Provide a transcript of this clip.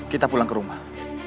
kita pulang ke rumah